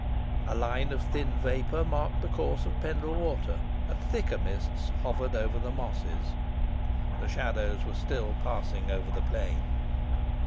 A line of thin vapour marked the course of Pendle Water, and thicker mists hovered over the mosses. The shadows were still passing over the plain.